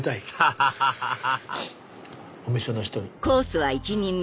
ハハハハハお店の人に。